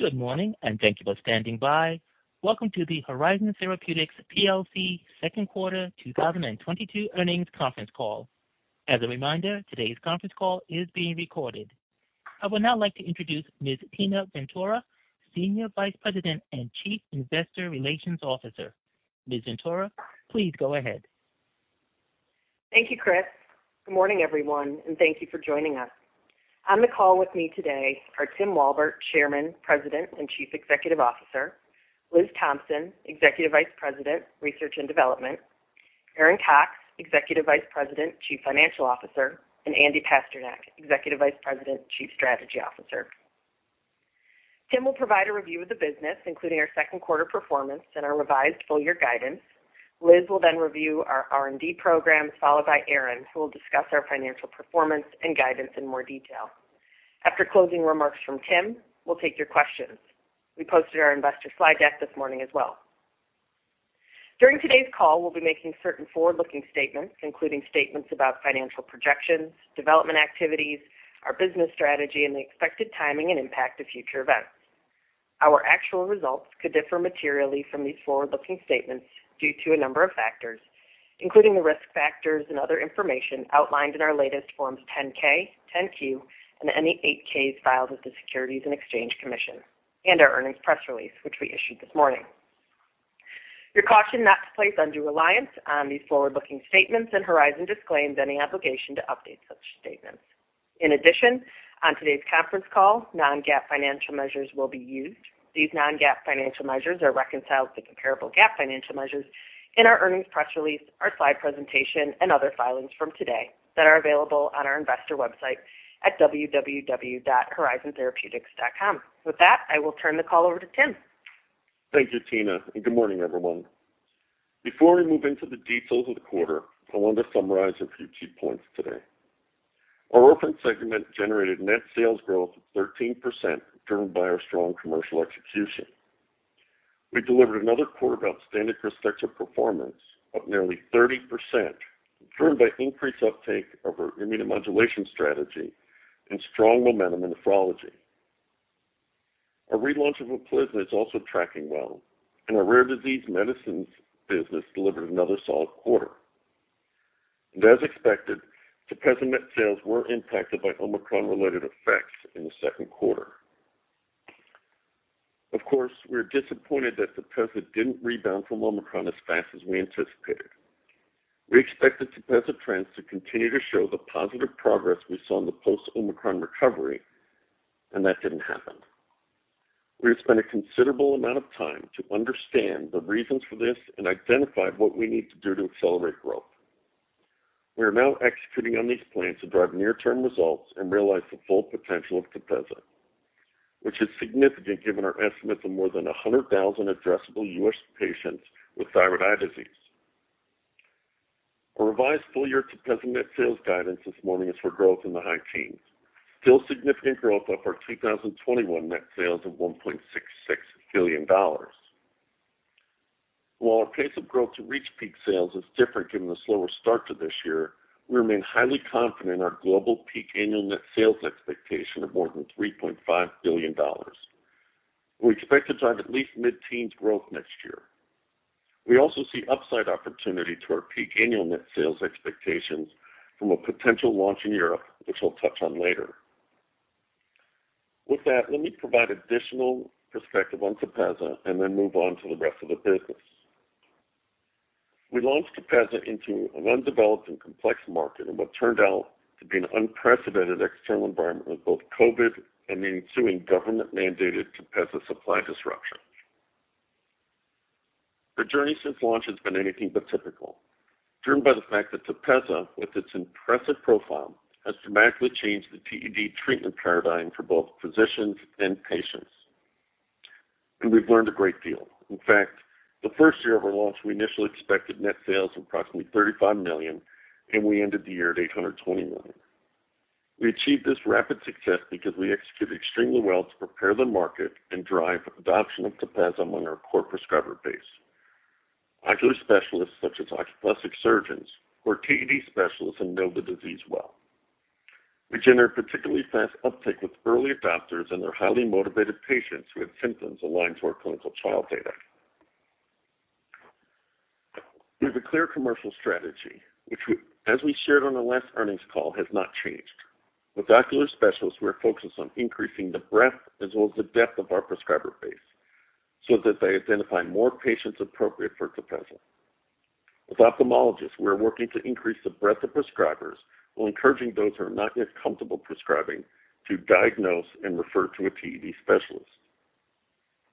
Good morning, and thank you for standing by. Welcome to the Horizon Therapeutics plc second quarter 2022 earnings conference call. As a reminder, today's conference call is being recorded. I would now like to introduce Ms. Tina Ventura, Senior Vice President and Chief Investor Relations Officer. Ms. Ventura, please go ahead. Thank you, Chris. Good morning, everyone, and thank you for joining us. On the call with me today are Tim Walbert, Chairman, President, and Chief Executive Officer, Liz Thompson, Executive Vice President, Research and Development, Aaron Cox, Executive Vice President, Chief Financial Officer, and Andy Pasternak, Executive Vice President, Chief Strategy Officer. Tim will provide a review of the business, including our second quarter performance and our revised full-year guidance. Liz will then review our R&D program, followed by Aaron, who will discuss our financial performance and guidance in more detail. After closing remarks from Tim, we'll take your questions. We posted our investor slide deck this morning as well. During today's call, we'll be making certain forward-looking statements, including statements about financial projections, development activities, our business strategy, and the expected timing and impact of future events. Our actual results could differ materially from these forward-looking statements due to a number of factors, including the risk factors and other information outlined in our latest Forms 10-K, 10-Q, and any 8-Ks filed with the Securities and Exchange Commission and our earnings press release, which we issued this morning. You're cautioned not to place undue reliance on these forward-looking statements and Horizon disclaims any obligation to update such statements. In addition, on today's conference call, non-GAAP financial measures will be used. These non-GAAP financial measures are reconciled to comparable GAAP financial measures in our earnings press release, our slide presentation, and other filings from today that are available on our investor website at www.horizontherapeutics.com. With that, I will turn the call over to Tim. Thank you, Tina, and good morning, everyone. Before we move into the details of the quarter, I wanted to summarize a few key points today. Our orphan segment generated net sales growth of 13%, driven by our strong commercial execution. We delivered another quarter of outstanding KRYSTEXXA performance of nearly 30%, driven by increased uptake of our immunomodulation strategy and strong momentum in nephrology. Our relaunch of UPLIZNA is also tracking well, and our rare disease medicines business delivered another solid quarter. As expected, TEPEZZA net sales were impacted by Omicron-related effects in the second quarter. Of course, we're disappointed that TEPEZZA didn't rebound from Omicron as fast as we anticipated. We expected TEPEZZA trends to continue to show the positive progress we saw in the post-Omicron recovery, and that didn't happen. We have spent a considerable amount of time to understand the reasons for this and identify what we need to do to accelerate growth. We are now executing on these plans to drive near-term results and realize the full potential of TEPEZZA, which is significant given our estimate of more than 100,000 addressable U.S. patients with thyroid eye disease. Our revised full-year TEPEZZA net sales guidance this morning is for growth in the high teens. Still significant growth off our 2021 net sales of $1.66 billion. While our pace of growth to reach peak sales is different given the slower start to this year, we remain highly confident in our global peak annual net sales expectation of more than $3.5 billion. We expect to drive at least mid-teens growth next year. We also see upside opportunity to our peak annual net sales expectations from a potential launch in Europe, which we'll touch on later. With that, let me provide additional perspective on TEPEZZA and then move on to the rest of the business. We launched TEPEZZA into an undeveloped and complex market in what turned out to be an unprecedented external environment with both COVID and the ensuing government-mandated TEPEZZA supply disruption. The journey since launch has been anything but typical, driven by the fact that TEPEZZA, with its impressive profile, has dramatically changed the TED treatment paradigm for both physicians and patients. We've learned a great deal. In fact, the first year of our launch, we initially expected net sales of approximately $35 million, and we ended the year at $820 million. We achieved this rapid success because we executed extremely well to prepare the market and drive adoption of TEPEZZA among our core prescriber base. Ocular specialists, such as oculoplastic surgeons, who are TED specialists and know the disease well. We generated particularly fast uptake with early adopters and their highly motivated patients who had symptoms aligned to our clinical trial data. We have a clear commercial strategy, which we, as we shared on the last earnings call, has not changed. With ocular specialists, we are focused on increasing the breadth as well as the depth of our prescriber base so that they identify more patients appropriate for TEPEZZA. With ophthalmologists, we are working to increase the breadth of prescribers while encouraging those who are not yet comfortable prescribing to diagnose and refer to a TED specialist.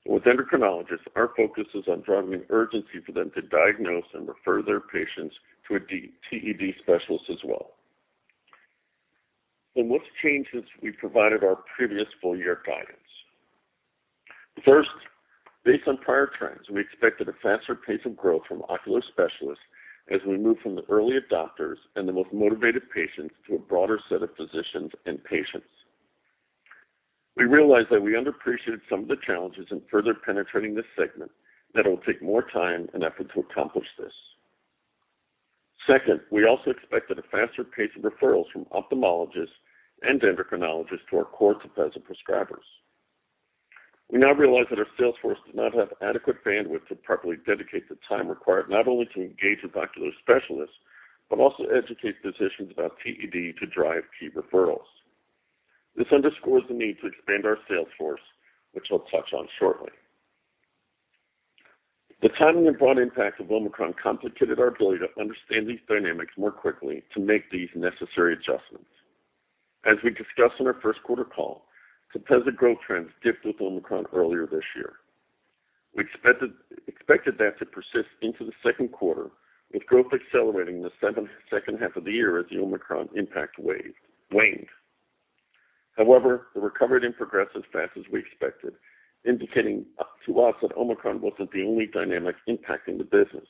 With endocrinologists, our focus is on driving urgency for them to diagnose and refer their patients to a TED specialist as well. What's changed since we provided our previous full-year guidance? First, based on prior trends, we expected a faster pace of growth from ocular specialists as we move from the early adopters and the most motivated patients to a broader set of physicians and patients. We realized that we underappreciated some of the challenges in further penetrating this segment, that it will take more time and effort to accomplish this. Second, we also expected a faster pace of referrals from ophthalmologists and endocrinologists to our core TEPEZZA prescribers. We now realize that our sales force does not have adequate bandwidth to properly dedicate the time required, not only to engage with ocular specialists, but also educate physicians about TED to drive key referrals. This underscores the need to expand our sales force, which I'll touch on shortly. The timing and broad impact of Omicron complicated our ability to understand these dynamics more quickly to make these necessary adjustments. As we discussed on our first quarter call, TEPEZZA growth trends dipped with Omicron earlier this year. We expected that to persist into the second quarter, with growth accelerating in the second half of the year as the Omicron impact waned. However, the recovery didn't progress as fast as we expected, indicating to us that Omicron wasn't the only dynamic impacting the business.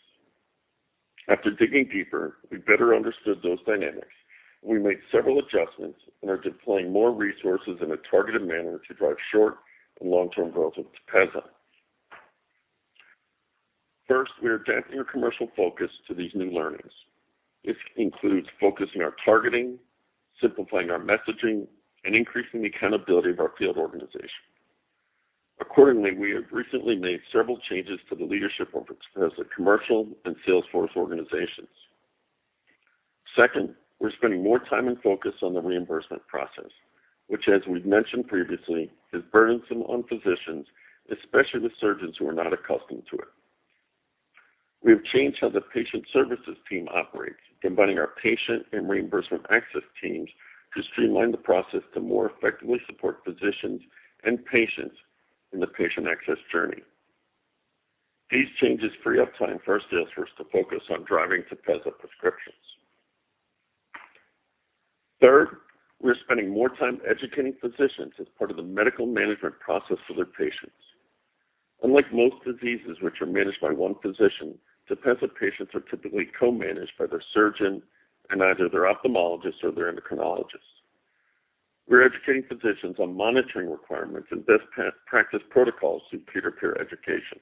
After digging deeper, we better understood those dynamics, and we made several adjustments and are deploying more resources in a targeted manner to drive short- and long-term growth of TEPEZZA. First, we are adapting our commercial focus to these new learnings. This includes focusing our targeting, simplifying our messaging, and increasing the accountability of our field organization. Accordingly, we have recently made several changes to the leadership of TEPEZZA commercial and sales force organizations. Second, we're spending more time and focus on the reimbursement process, which as we've mentioned previously, is burdensome on physicians, especially the surgeons who are not accustomed to it. We have changed how the patient services team operates, combining our patient and reimbursement access teams to streamline the process to more effectively support physicians and patients in the patient access journey. These changes free up time for our sales force to focus on driving TEPEZZA prescriptions. Third, we're spending more time educating physicians as part of the medical management process for their patients. Unlike most diseases which are managed by one physician, TEPEZZA patients are typically co-managed by their surgeon and either their ophthalmologist or their endocrinologist. We're educating physicians on monitoring requirements and best practice protocols through peer-to-peer education.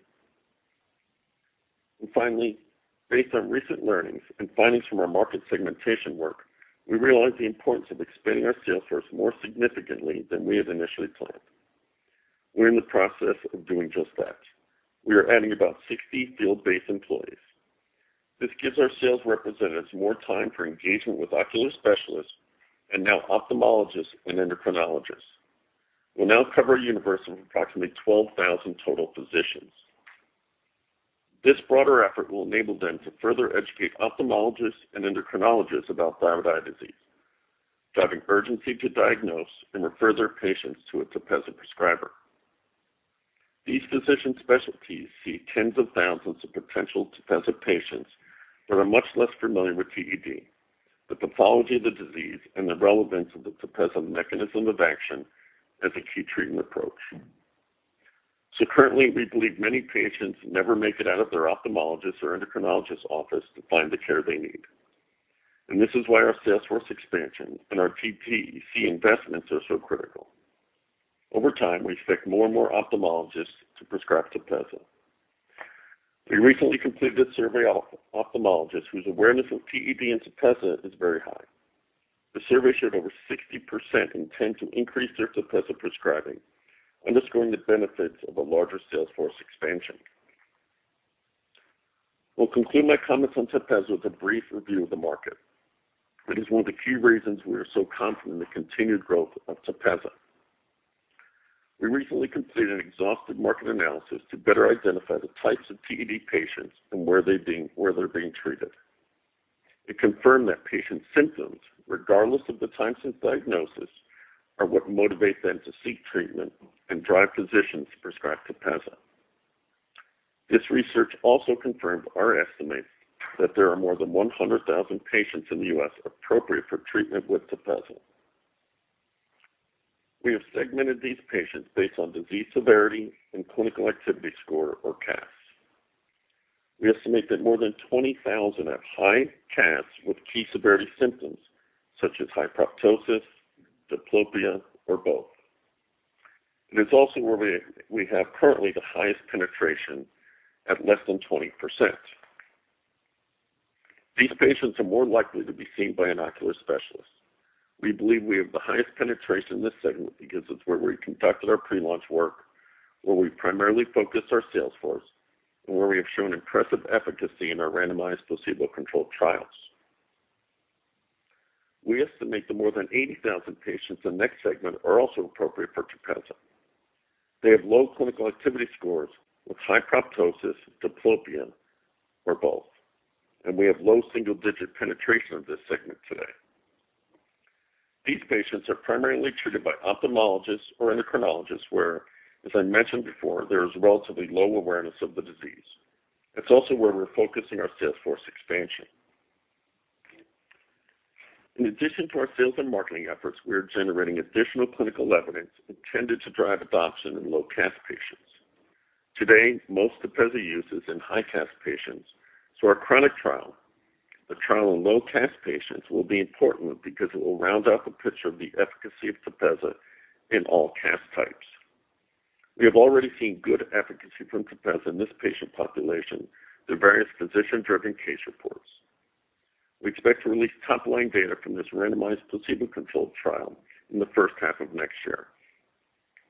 Finally, based on recent learnings and findings from our market segmentation work, we realize the importance of expanding our sales force more significantly than we had initially planned. We're in the process of doing just that. We are adding about 60 field-based employees. This gives our sales representatives more time for engagement with ocular specialists and now ophthalmologists and endocrinologists. We'll now cover a universe of approximately 12,000 total physicians. This broader effort will enable them to further educate ophthalmologists and endocrinologists about thyroid eye disease, driving urgency to diagnose and refer their patients to a TEPEZZA prescriber. These physician specialties see tens of thousands of potential TEPEZZA patients that are much less familiar with TED, the pathology of the disease, and the relevance of the TEPEZZA mechanism of action as a key treatment approach. Currently, we believe many patients never make it out of their ophthalmologist or endocrinologist office to find the care they need. This is why our sales force expansion and our P2P investments are so critical. Over time, we expect more and more ophthalmologists to prescribe TEPEZZA. We recently completed a survey of ophthalmologists whose awareness of TED and TEPEZZA is very high. The survey showed over 60% intend to increase their TEPEZZA prescribing, underscoring the benefits of a larger sales force expansion. I'll conclude my comments on TEPEZZA with a brief review of the market. It is one of the key reasons we are so confident in the continued growth of TEPEZZA. We recently completed an exhaustive market analysis to better identify the types of TED patients and where they're being treated. It confirmed that patients' symptoms, regardless of the time since diagnosis, are what motivate them to seek treatment and drive physicians to prescribe TEPEZZA. This research also confirmed our estimate that there are more than 100,000 patients in the U.S. appropriate for treatment with TEPEZZA. We have segmented these patients based on disease severity and clinical activity score or CAS. We estimate that more than 20,000 have high CAS with key severity symptoms such as proptosis, diplopia, or both. It's also where we have currently the highest penetration at less than 20%. These patients are more likely to be seen by an oculoplastic specialist. We believe we have the highest penetration in this segment because it's where we conducted our pre-launch work, where we primarily focus our sales force, and where we have shown impressive efficacy in our randomized placebo-controlled trials. We estimate more than 80,000 patients in next segment are also appropriate for TEPEZZA. They have low clinical activity scores with high proptosis, diplopia, or both, and we have low single-digit penetration of this segment today. These patients are primarily treated by ophthalmologists or endocrinologists, where, as I mentioned before, there is relatively low awareness of the disease. It's also where we're focusing our sales force expansion. In addition to our sales and marketing efforts, we are generating additional clinical evidence intended to drive adoption in low CAS patients. Today, most TEPEZZA use is in high CAS patients, so our chronic trial, a trial in low CAS patients, will be important because it will round out the picture of the efficacy of TEPEZZA in all CAS types. We have already seen good efficacy from TEPEZZA in this patient population through various physician-driven case reports. We expect to release top-line data from this randomized placebo-controlled trial in the first half of next year.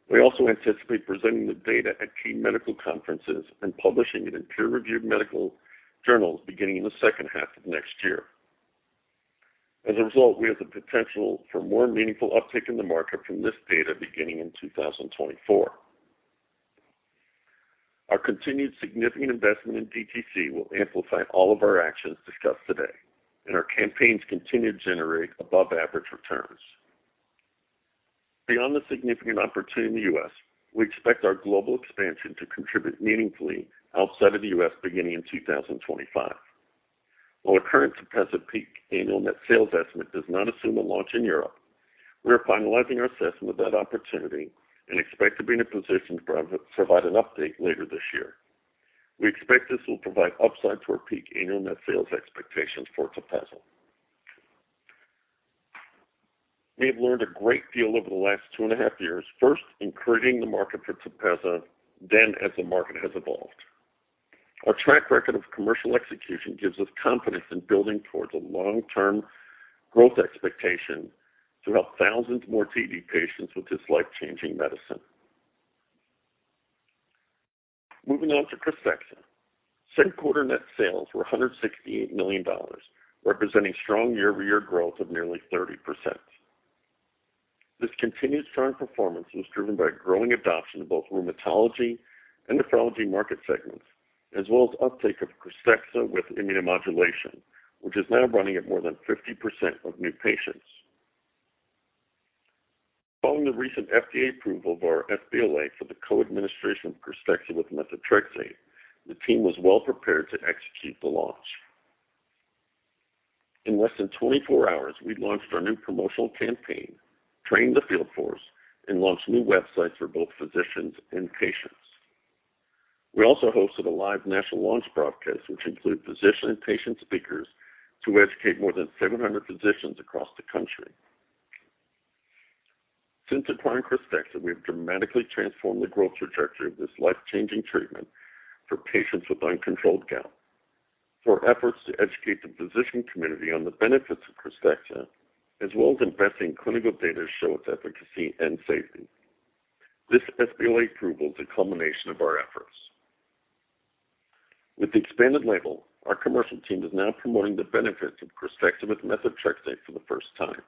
We also anticipate presenting the data at key medical conferences and publishing it in peer-reviewed medical journals beginning in the second half of next year. As a result, we have the potential for more meaningful uptake in the market from this data beginning in 2024. Our continued significant investment in DTC will amplify all of our actions discussed today, and our campaigns continue to generate above-average returns. Beyond the significant opportunity in the US, we expect our global expansion to contribute meaningfully outside of the US beginning in 2025. While our current TEPEZZA peak annual net sales estimate does not assume a launch in Europe, we are finalizing our assessment of that opportunity and expect to be in a position to provide an update later this year. We expect this will provide upside to our peak annual net sales expectations for TEPEZZA. We have learned a great deal over the last two and a half years, first in creating the market for TEPEZZA, then as the market has evolved. Our track record of commercial execution gives us confidence in building towards a long-term growth expectation to help thousands more TED patients with this life-changing medicine. Moving on to KRYSTEXXA. Second quarter net sales were $168 million, representing strong year-over-year growth of nearly 30%. This continued strong performance was driven by growing adoption in both rheumatology and nephrology market segments, as well as uptake of KRYSTEXXA with immunomodulation, which is now running at more than 50% of new patients. Following the recent FDA approval of our sBLA for the co-administration of KRYSTEXXA with methotrexate, the team was well-prepared to execute the launch. In less than 24 hours, we launched our new promotional campaign, trained the field force, and launched new websites for both physicians and patients. We also hosted a live national launch broadcast, which included physician and patient speakers to educate more than 700 physicians across the country. Since acquiring KRYSTEXXA, we have dramatically transformed the growth trajectory of this life-changing treatment for patients with uncontrolled gout. Through our efforts to educate the physician community on the benefits of KRYSTEXXA, as well as investing in clinical data to show its efficacy and safety. This sBLA approval is a culmination of our efforts. With the expanded label, our commercial team is now promoting the benefits of KRYSTEXXA with methotrexate for the first time.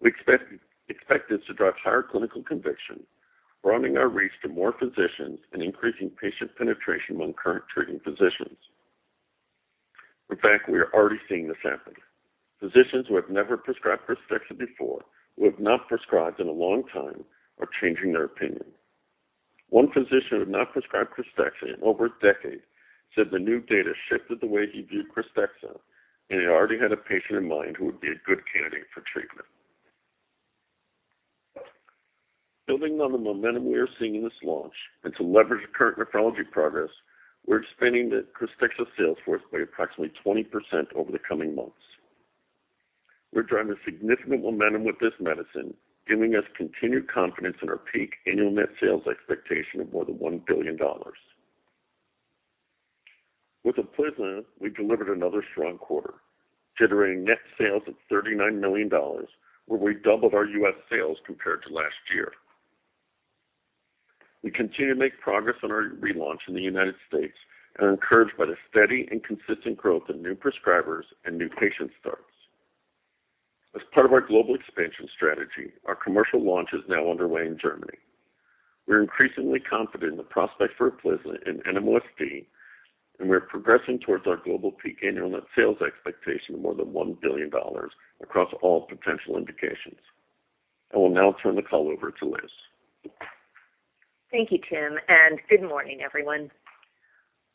We expect this to drive higher clinical conviction, broadening our reach to more physicians and increasing patient penetration among current treating physicians. In fact, we are already seeing this happen. Physicians who have never prescribed KRYSTEXXA before, who have not prescribed in a long time, are changing their opinion. One physician who had not prescribed KRYSTEXXA in over a decade said the new data shifted the way he viewed KRYSTEXXA, and he already had a patient in mind who would be a good candidate for treatment. Building on the momentum we are seeing in this launch and to leverage current nephrology progress, we're expanding the KRYSTEXXA sales force by approximately 20% over the coming months. We're driving significant momentum with this medicine, giving us continued confidence in our peak annual net sales expectation of more than $1 billion. With UPLIZNA, we delivered another strong quarter, generating net sales of $39 million, where we doubled our U.S. sales compared to last year. We continue to make progress on our relaunch in the United States and are encouraged by the steady and consistent growth of new prescribers and new patient starts. As part of our global expansion strategy, our commercial launch is now underway in Germany. We're increasingly confident in the prospect for UPLIZNA in NMOSD, and we are progressing towards our global peak annual net sales expectation of more than $1 billion across all potential indications. I will now turn the call over to Liz. Thank you, Tim, and good morning, everyone.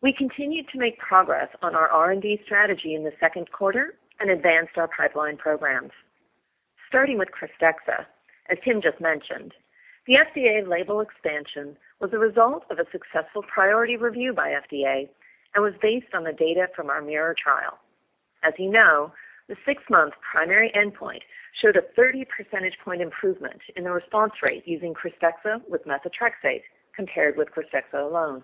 We continued to make progress on our R&D strategy in the second quarter and advanced our pipeline programs. Starting with KRYSTEXXA, as Tim just mentioned, the FDA label expansion was a result of a successful priority review by FDA and was based on the data from our MIRROR trial. As you know, the 6-month primary endpoint showed a 30 percentage point improvement in the response rate using KRYSTEXXA with methotrexate compared with KRYSTEXXA alone.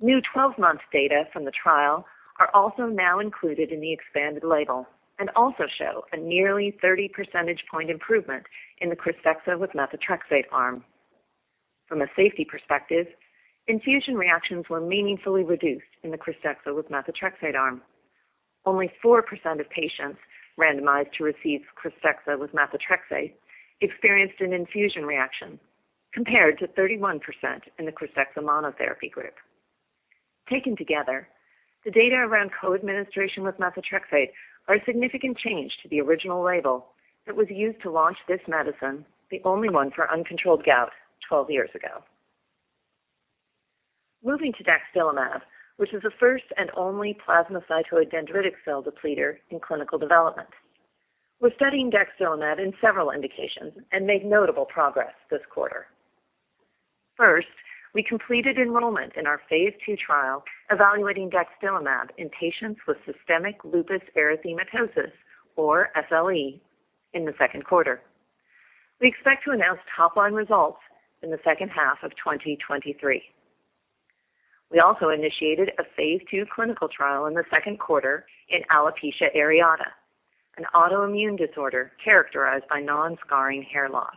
New 12-month data from the trial are also now included in the expanded label and also show a nearly 30 percentage point improvement in the KRYSTEXXA with methotrexate arm. From a safety perspective, infusion reactions were meaningfully reduced in the KRYSTEXXA with methotrexate arm. Only 4% of patients randomized to receive KRYSTEXXA with methotrexate experienced an infusion reaction, compared to 31% in the KRYSTEXXA monotherapy group. Taken together, the data around co-administration with methotrexate are a significant change to the original label that was used to launch this medicine, the only one for uncontrolled gout, 12 years ago. Moving to daxdilimab, which is the first and only plasmacytoid dendritic cell depleter in clinical development. We're studying daxdilimab in several indications and made notable progress this quarter. First, we completed enrollment in our phase II trial evaluating daxdilimab in patients with systemic lupus erythematosus, or SLE, in the second quarter. We expect to announce top-line results in the second half of 2023. We also initiated a phase two clinical trial in the second quarter in alopecia areata, an autoimmune disorder characterized by non-scarring hair loss.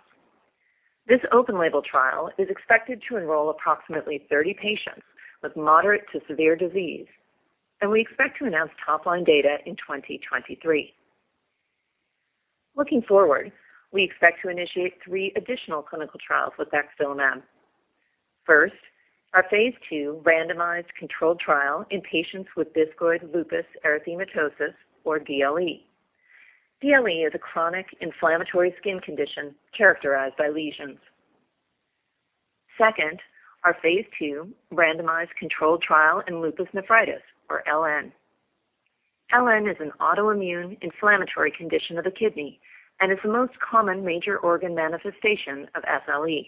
This open label trial is expected to enroll approximately 30 patients with moderate to severe disease, and we expect to announce top-line data in 2023. Looking forward, we expect to initiate three additional clinical trials with daxdilimab. First, our phase II randomized controlled trial in patients with discoid lupus erythematosus, or DLE. DLE is a chronic inflammatory skin condition characterized by lesions. Second, our phase II randomized controlled trial in lupus nephritis, or LN. LN is an autoimmune inflammatory condition of the kidney and is the most common major organ manifestation of SLE.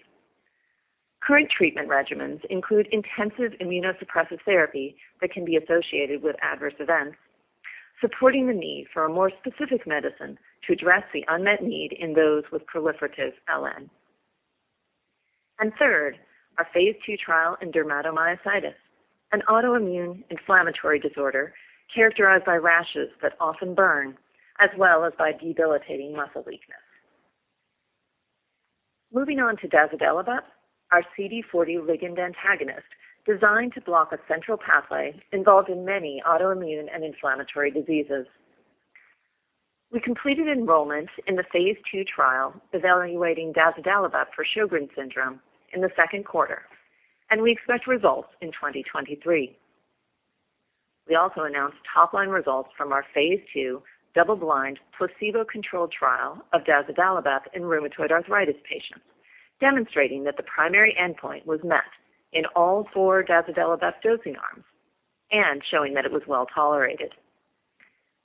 Current treatment regimens include intensive immunosuppressive therapy that can be associated with adverse events, supporting the need for a more specific medicine to address the unmet need in those with proliferative LN. Third, our phase II trial in dermatomyositis, an autoimmune inflammatory disorder characterized by rashes that often burn, as well as by debilitating muscle weakness. Moving on to dazodalibep, our CD40 ligand antagonist designed to block a central pathway involved in many autoimmune and inflammatory diseases. We completed enrollment in the phase II trial evaluating daxdilimab for Sjögren's syndrome in the second quarter, and we expect results in 2023. We also announced top-line results from our phase II double-blind placebo-controlled trial of daxdilimab in rheumatoid arthritis patients, demonstrating that the primary endpoint was met in all four daxdilimab dosing arms and showing that it was well tolerated.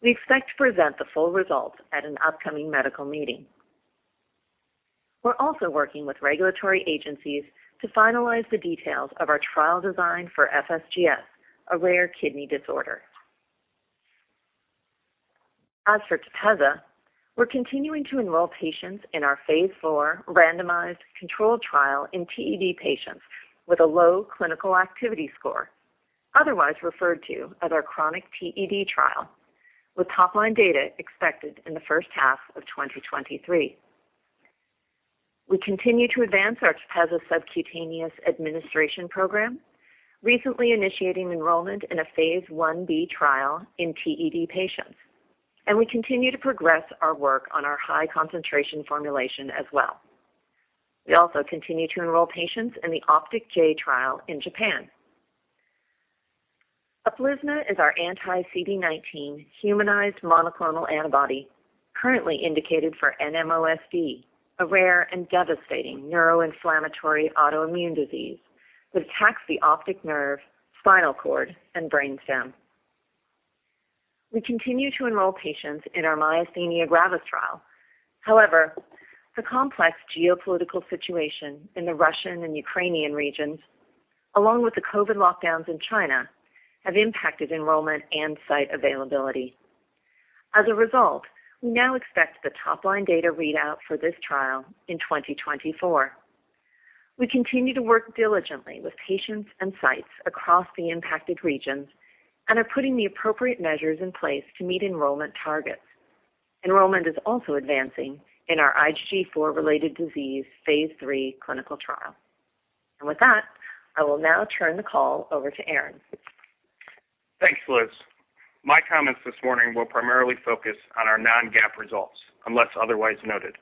We expect to present the full results at an upcoming medical meeting. We're also working with regulatory agencies to finalize the details of our trial design for FSGS, a rare kidney disorder. As for TEPEZZA, we're continuing to enroll patients in our phase IV randomized controlled trial in TED patients with a low clinical activity score, otherwise referred to as our chronic TED trial, with top-line data expected in the first half of 2023. We continue to advance our TEPEZZA subcutaneous administration program, recently initiating enrollment in a phase I-B trial in TED patients, and we continue to progress our work on our high concentration formulation as well. We also continue to enroll patients in the OPTIC-J trial in Japan. UPLIZNA is our anti-CD19 humanized monoclonal antibody currently indicated for NMOSD, a rare and devastating neuroinflammatory autoimmune disease that attacks the optic nerve, spinal cord, and brain stem. We continue to enroll patients in our myasthenia gravis trial. However, the complex geopolitical situation in the Russian and Ukrainian regions, along with the COVID lockdowns in China, have impacted enrollment and site availability. As a result, we now expect the top-line data readout for this trial in 2024. We continue to work diligently with patients and sites across the impacted regions and are putting the appropriate measures in place to meet enrollment targets. Enrollment is also advancing in our IgG4-related disease phase III clinical trial. With that, I will now turn the call over to Aaron. Thanks, Liz. My comments this morning will primarily focus on our non-GAAP results, unless otherwise noted.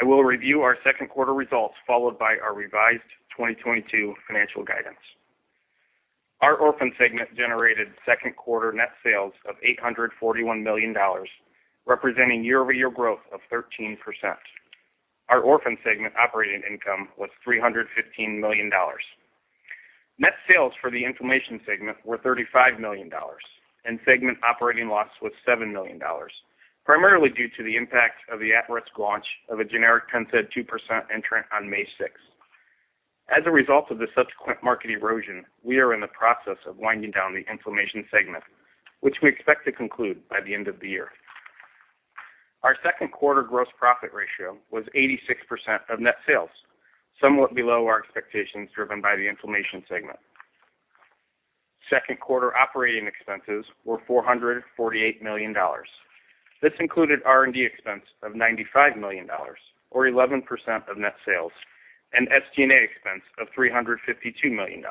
I will review our second quarter results followed by our revised 2022 financial guidance. Our orphan segment generated second quarter net sales of $841 million, representing year-over-year growth of 13%. Our orphan segment operating income was $315 million. Net sales for the inflammation segment were $35 million, and segment operating loss was $7 million, primarily due to the impact of the at-risk launch of a generic PENNSAID 2% entry on May sixth. As a result of the subsequent market erosion, we are in the process of winding down the inflammation segment, which we expect to conclude by the end of the year. Our second quarter gross profit ratio was 86% of net sales, somewhat below our expectations driven by the inflammation segment. Second quarter operating expenses were $448 million. This included R&D expense of $95 million, or 11% of net sales, and SG&A expense of $352 million.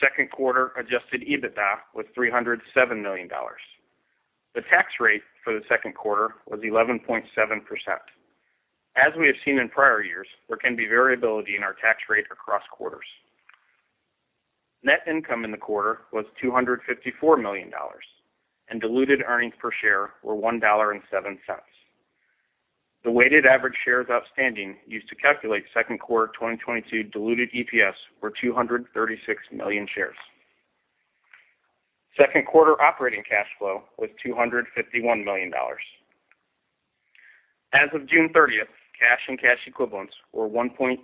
Second quarter adjusted EBITDA was $307 million. The tax rate for the second quarter was 11.7%. As we have seen in prior years, there can be variability in our tax rate across quarters. Net income in the quarter was $254 million, and diluted earnings per share were $1.07. The weighted average shares outstanding used to calculate second quarter 2022 diluted EPS were 236 million shares. Second quarter operating cash flow was $251 million. As of June 30th, cash and cash equivalents were $1.89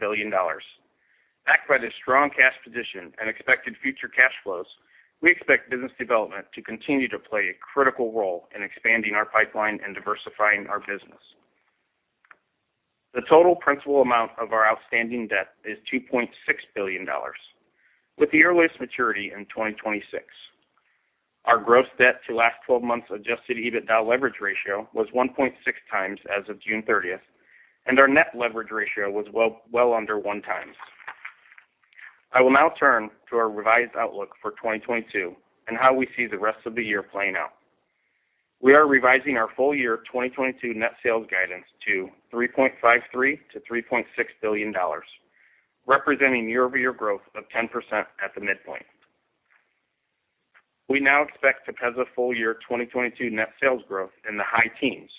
billion. Backed by the strong cash position and expected future cash flows, we expect business development to continue to play a critical role in expanding our pipeline and diversifying our business. The total principal amount of our outstanding debt is $2.6 billion, with the earliest maturity in 2026. Our gross debt to last twelve months adjusted EBITDA leverage ratio was 1.6x as of June 30th, and our net leverage ratio was well, well under one times. I will now turn to our revised outlook for 2022 and how we see the rest of the year playing out. We are revising our full year 2022 net sales guidance to $3.53-$3.6 billion, representing year-over-year growth of 10% at the midpoint. We now expect TEPEZZA full year 2022 net sales growth in the high teens,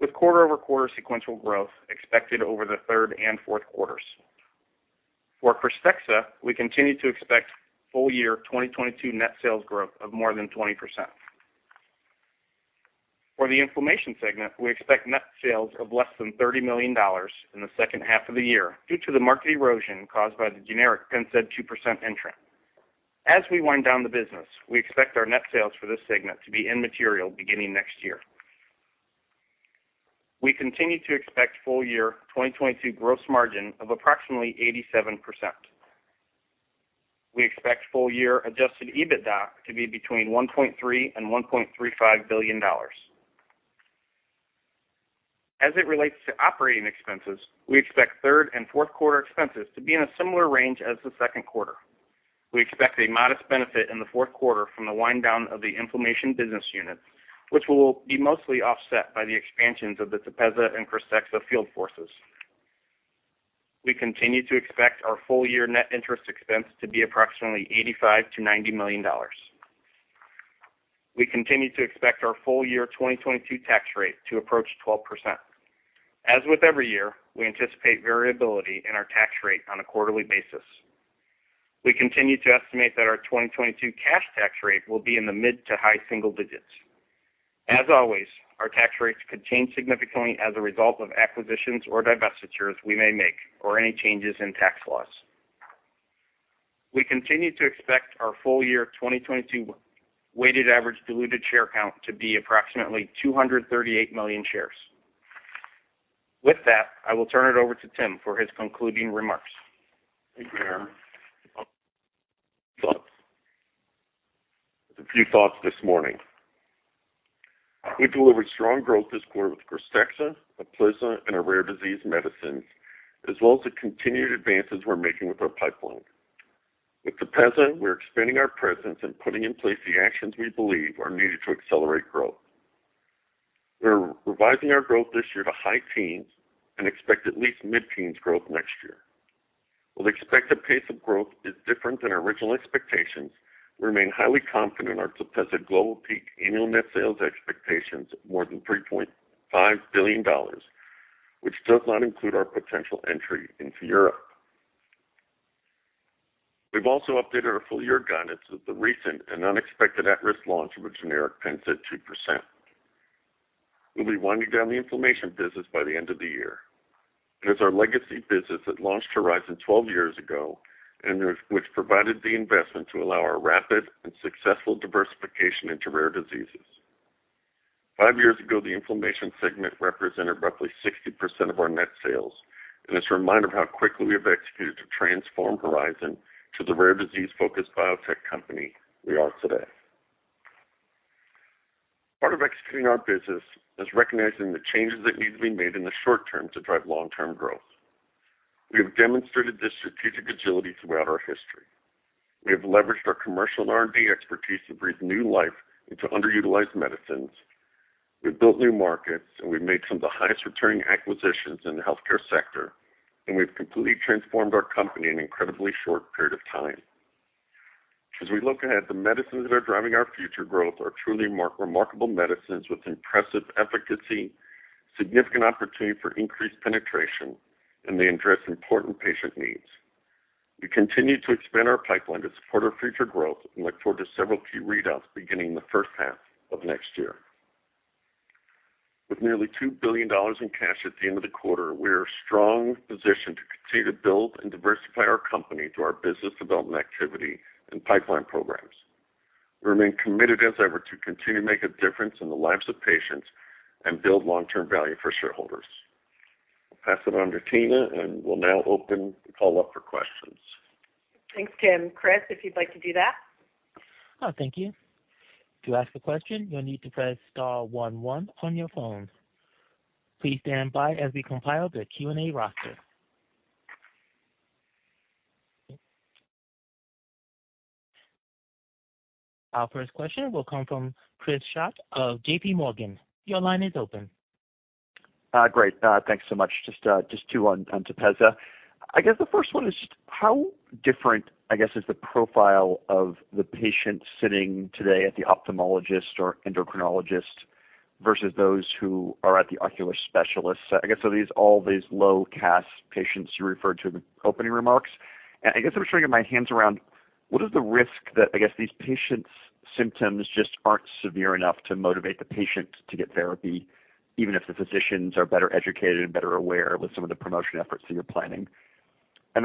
with quarter-over-quarter sequential growth expected over the third and fourth quarters. For KRYSTEXXA, we continue to expect full year 2022 net sales growth of more than 20%. For the inflammation segment, we expect net sales of less than $30 million in the second half of the year due to the market erosion caused by the generic PENNSAID 2% entrant. As we wind down the business, we expect our net sales for this segment to be immaterial beginning next year. We continue to expect full year 2022 gross margin of approximately 87%. We expect full year adjusted EBITDA to be between $1.3 billion and $1.35 billion. As it relates to operating expenses, we expect third and fourth quarter expenses to be in a similar range as the second quarter. We expect a modest benefit in the fourth quarter from the wind down of the inflammation business unit, which will be mostly offset by the expansions of the TEPEZZA and KRYSTEXXA field forces. We continue to expect our full year net interest expense to be approximately $85 million-$90 million. We continue to expect our full year 2022 tax rate to approach 12%. As with every year, we anticipate variability in our tax rate on a quarterly basis. We continue to estimate that our 2022 cash tax rate will be in the mid- to high-single digits%. As always, our tax rates could change significantly as a result of acquisitions or divestitures we may make or any changes in tax laws. We continue to expect our full year 2022 weighted average diluted share count to be approximately 238 million shares. With that, I will turn it over to Tim for his concluding remarks. Thank you, Aaron. A few thoughts this morning. We delivered strong growth this quarter with KRYSTEXXA, TEPEZZA, and our rare disease medicines, as well as the continued advances we're making with our pipeline. With TEPEZZA, we're expanding our presence and putting in place the actions we believe are needed to accelerate growth. We're revising our growth this year to high teens% and expect at least mid-teens% growth next year. While the expected pace of growth is different than our original expectations, we remain highly confident in our TEPEZZA global peak annual net sales expectations of more than $3.5 billion, which does not include our potential entry into Europe. We've also updated our full-year guidance with the recent and unexpected at-risk launch of a generic PENNSAID 2%. We'll be winding down the inflammation business by the end of the year. It is our legacy business that launched Horizon 12 years ago and which provided the investment to allow our rapid and successful diversification into rare diseases. Five years ago, the inflammation segment represented roughly 60% of our net sales, and it's a reminder of how quickly we have executed to transform Horizon to the rare disease-focused biotech company we are today. Part of executing our business is recognizing the changes that need to be made in the short term to drive long-term growth. We have demonstrated this strategic agility throughout our history. We have leveraged our commercial R&D expertise to breathe new life into underutilized medicines. We've built new markets, and we've made some of the highest returning acquisitions in the healthcare sector, and we've completely transformed our company in an incredibly short period of time. As we look ahead, the medicines that are driving our future growth are truly remarkable medicines with impressive efficacy, significant opportunity for increased penetration, and they address important patient needs. We continue to expand our pipeline to support our future growth and look forward to several key readouts beginning in the first half of next year. With nearly $2 billion in cash at the end of the quarter, we are strongly positioned to continue to build and diversify our company through our business development activity and pipeline programs. We remain committed as ever to continue to make a difference in the lives of patients and build long-term value for shareholders. I'll pass it on to Tina, and we'll now open the call up for questions. Thanks, Tim. Chris, if you'd like to do that. Oh, thank you. To ask a question, you'll need to press star one one on your phone. Please stand by as we compile the Q&A roster. Our first question will come from Chris Schott of J.P. Morgan. Your line is open. Great. Thanks so much. Just two on TEPEZZA. I guess the first one is how different, I guess, is the profile of the patient sitting today at the ophthalmologist or endocrinologist versus those who are at the ocular specialists. I guess, so these low CAS patients you referred to in the opening remarks. I guess I'm just trying to get my hands around what is the risk that, I guess, these patients' symptoms just aren't severe enough to motivate the patient to get therapy, even if the physicians are better educated and better aware with some of the promotion efforts that you're planning.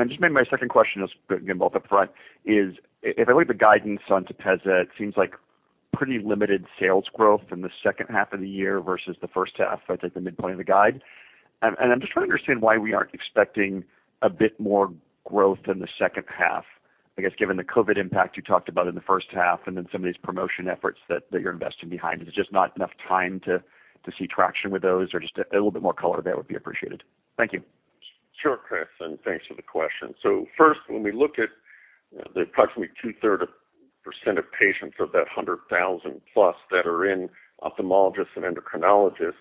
Just maybe my second question is, again, both up front is, if I look at the guidance on TEPEZZA, it seems like pretty limited sales growth in the second half of the year versus the first half at, like, the midpoint of the guide. I'm just trying to understand why we aren't expecting a bit more growth in the second half. I guess given the COVID impact you talked about in the first half, and then some of these promotion efforts that you're investing behind, is it just not enough time to see traction with those or just a little bit more color there would be appreciated. Thank you. Sure, Chris, and thanks for the question. First, when we look at the approximately two-thirds of a percent of patients of that 100,000+ that are in ophthalmologists and endocrinologists.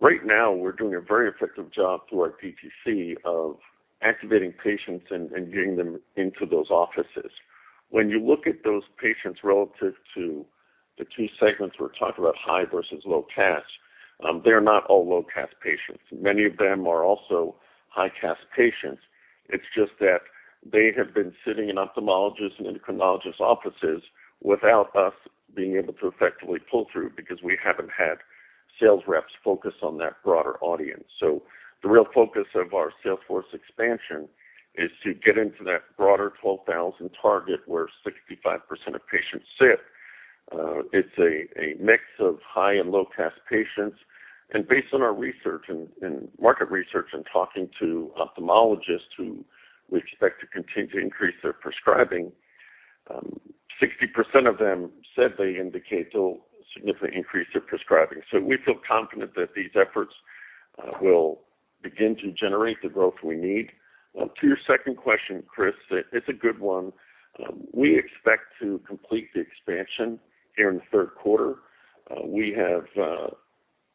Right now, we're doing a very effective job through our DTC of activating patients and getting them into those offices. When you look at those patients relative to the two segments we're talking about high versus low CAS, they're not all low CAS patients. Many of them are also high CAS patients. It's just that they have been sitting in ophthalmologists and endocrinologists offices without us being able to effectively pull through because we haven't had sales reps focus on that broader audience. The real focus of our sales force expansion is to get into that broader 12,000 target where 65% of patients sit. It's a mix of high and low CAS patients. Based on our research and market research and talking to ophthalmologists who we expect to continue to increase their prescribing, 60% of them said they indicate they'll significantly increase their prescribing. We feel confident that these efforts will begin to generate the growth we need. To your second question, Chris, it's a good one. We expect to complete the expansion here in the third quarter. We have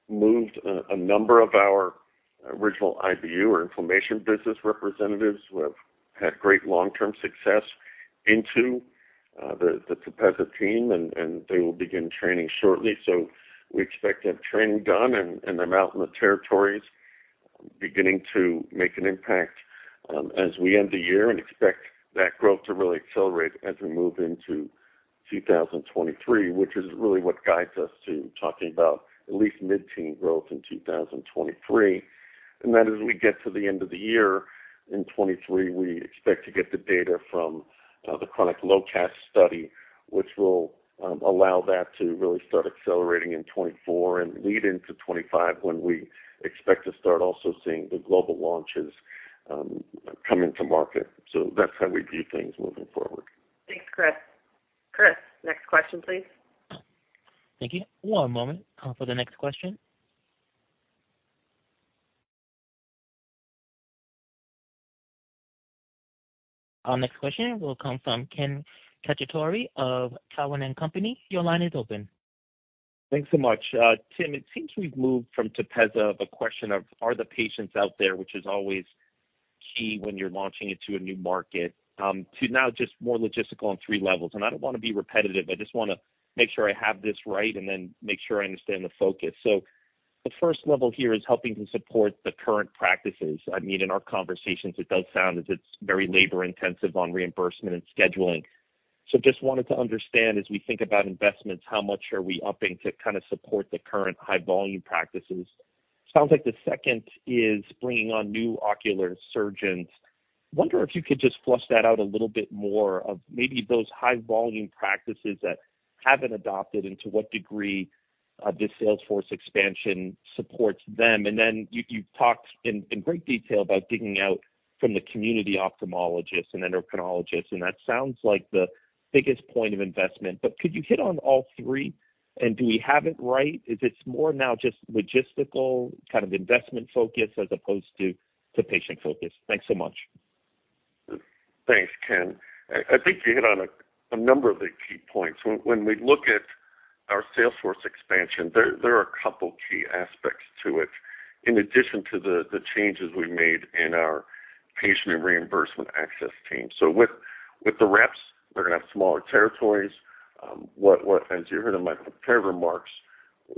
moved a number of our original IBU or information business representatives who have had great long-term success into the TEPEZZA team, and they will begin training shortly. We expect to have training done and them out in the territories beginning to make an impact as we end the year and expect that growth to really accelerate as we move into 2023, which is really what guides us to talking about at least mid-teen growth in 2023. Then as we get to the end of the year in 2023, we expect to get the data from the chronic low-CAS study, which will allow that to really start accelerating in 2024 and lead into 2025 when we expect to start also seeing the global launches coming to market. That's how we view things moving forward. Thanks, Chris. Chris, next question, please. Thank you. One moment for the next question. Our next question will come from Ken Cacciatore of Cowen and Company. Your line is open. Thanks so much. Tim, it seems we've moved from TEPEZZA. The question of are the patients out there, which is always key when you're launching into a new market, to now just more logistical on three levels. I don't want to be repetitive. I just wanna make sure I have this right and then make sure I understand the focus. The first level here is helping to support the current practices. I mean, in our conversations, it does sound as it's very labor-intensive on reimbursement and scheduling. Just wanted to understand, as we think about investments, how much are we upping to kind of support the current high volume practices? Sounds like the second is bringing on new ocular surgeons. Wonder if you could just flesh that out a little bit more of maybe those high volume practices that haven't adopted and to what degree this sales force expansion supports them. You've talked in great detail about digging into the community ophthalmologists and endocrinologists, and that sounds like the biggest point of investment. Could you hit on all three? Do we have it right? If it's more now just logistical kind of investment focus as opposed to patient focus. Thanks so much. Thanks, Ken. I think you hit on a number of the key points. When we look at our sales force expansion, there are a couple key aspects to it in addition to the changes we made in our patient and reimbursement access team. With the reps, they're gonna have smaller territories. As you heard in my prepared remarks,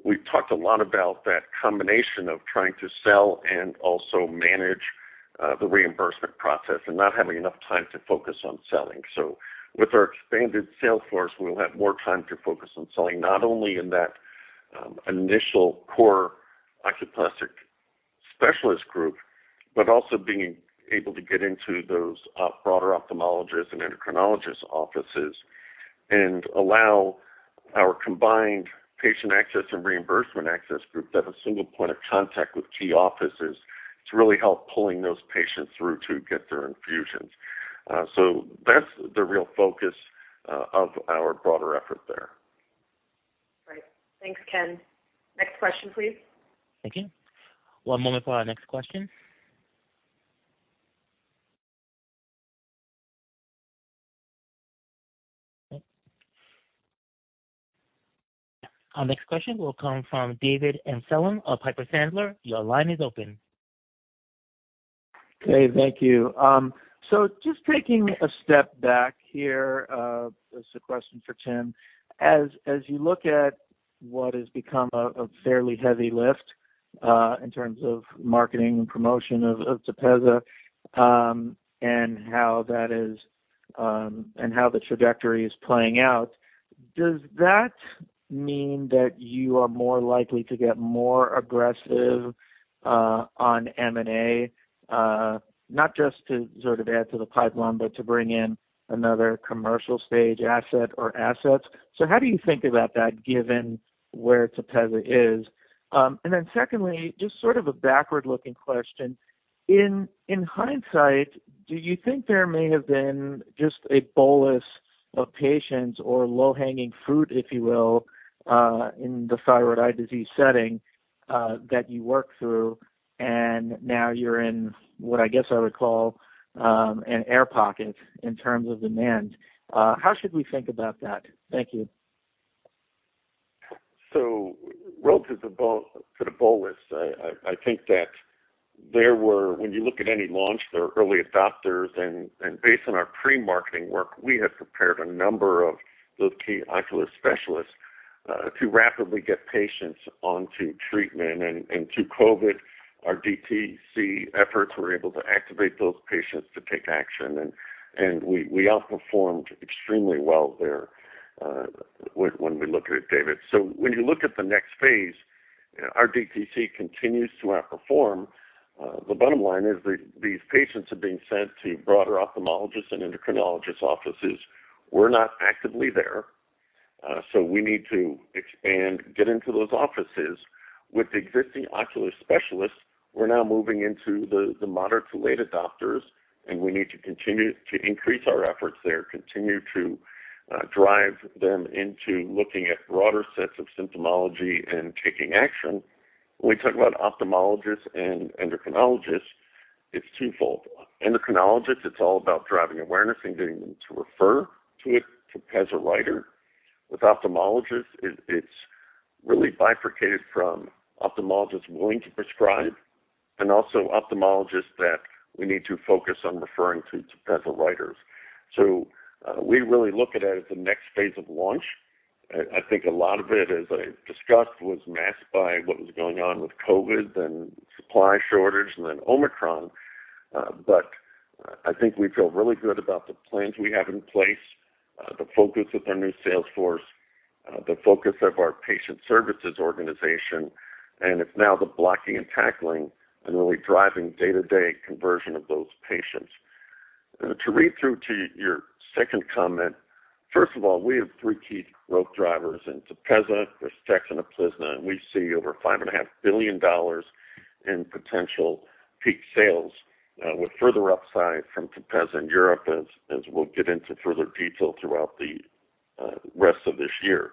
we've talked a lot about that combination of trying to sell and also manage the reimbursement process and not having enough time to focus on selling. With our expanded sales force, we'll have more time to focus on selling, not only in that initial core oculoplastic specialist group, but also being able to get into those broader ophthalmologists and endocrinologists' offices and allow our combined patient access and reimbursement access group that have a single point of contact with key offices to really help pulling those patients through to get their infusions. That's the real focus of our broader effort there. Great. Thanks, Ken. Next question, please. Thank you. One moment for our next question. Our next question will come from David Amsellem of Piper Sandler. Your line is open. Okay, thank you. Just taking a step back here, this is a question for Tim. As you look at what has become a fairly heavy lift in terms of marketing and promotion of TEPEZZA, and how the trajectory is playing out, does that mean that you are more likely to get more aggressive on M&A? Not just to sort of add to the pipeline, but to bring in another commercial stage asset or assets. How do you think about that given where TEPEZZA is? And then secondly, just sort of a backward-looking question. In hindsight, do you think there may have been just a bolus of patients or low-hanging fruit, if you will, in the Thyroid Eye Disease setting, that you worked through, and now you're in what I guess I would call, an air pocket in terms of demand. How should we think about that? Thank you. Growth is a sort of bolus. I think that there were. When you look at any launch, there are early adopters and based on our pre-marketing work, we have prepared a number of those key ocular specialists to rapidly get patients onto treatment. Through COVID, our DTC efforts were able to activate those patients to take action. We outperformed extremely well there when we look at it, David. When you look at the next phase, our DTC continues to outperform. The bottom line is these patients are being sent to broader ophthalmologists and endocrinologists' offices. We're not actively there, so we need to expand, get into those offices. With existing ocular specialists, we're now moving into the moderate to late adopters, and we need to continue to increase our efforts there, continue to drive them into looking at broader sets of symptomatology and taking action. When we talk about ophthalmologists and endocrinologists, it's twofold. Endocrinologists, it's all about driving awareness and getting them to refer to a TEPEZZA prescriber. With ophthalmologists, it's really bifurcated from ophthalmologists willing to prescribe and also ophthalmologists that we need to focus on referring to TEPEZZA prescribers. We really look at it as the next phase of launch. I think a lot of it, as I discussed, was masked by what was going on with COVID and supply shortage and then Omicron. I think we feel really good about the plans we have in place, the focus of our new sales force, the focus of our patient services organization, and it's now the blocking and tackling and really driving day-to-day conversion of those patients. To read through to your second comment, first of all, we have three key growth drivers in TEPEZZA, KRYSTEXXA and UPLIZNA, and we see over $5.5 billion in potential peak sales, with further upside from TEPEZZA in Europe as we'll get into further detail throughout the rest of this year.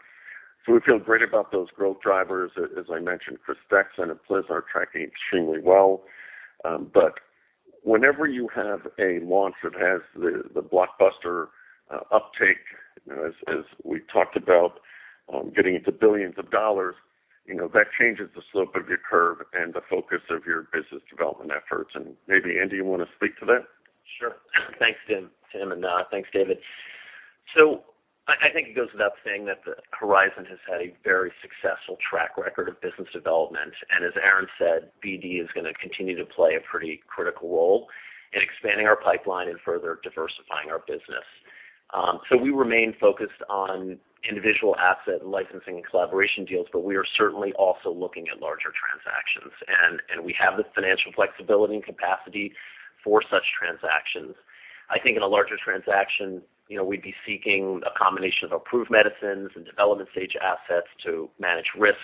We feel great about those growth drivers. As I mentioned, KRYSTEXXA and UPLIZNA are tracking extremely well. Whenever you have a launch that has the blockbuster uptake, as we talked about, getting into billions of dollars, you know, that changes the slope of your curve and the focus of your business development efforts. Maybe, Andy, you wanna speak to that? Sure. Thanks, Tim. Thanks, David. I think it goes without saying that Horizon has had a very successful track record of business development. As Aaron said, BD is gonna continue to play a pretty critical role in expanding our pipeline and further diversifying our business. We remain focused on individual asset licensing and collaboration deals, but we are certainly also looking at larger transactions, and we have the financial flexibility and capacity for such transactions. I think in a larger transaction, you know, we'd be seeking a combination of approved medicines and development stage assets to manage risks.